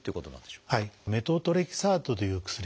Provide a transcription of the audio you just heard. メトトレキサートという薬。